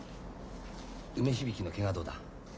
梅響のケガどうだ？